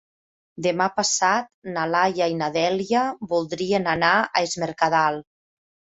Demà passat na Laia i na Dèlia voldrien anar a Es Mercadal.